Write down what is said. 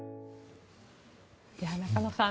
中野さん